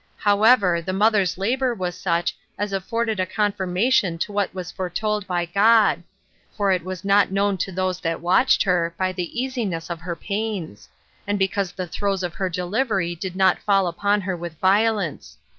However, the mother's labor was such as afforded a confirmation to what was foretold by God; for it was not known to those that watched her, by the easiness of her pains, and because the throes of her delivery did not fall upon her with violence.